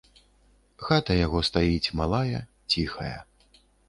Хата яго стаіць малая, ціхая.